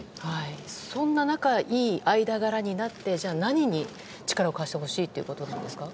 そんな仲いい間柄になって何に力を貸してほしいんですか。